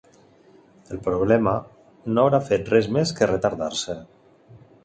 I el problema no haurà fet res més que retardar-se.